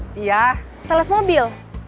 jadi ga usb nya kan aidipa karena yang mungkin betul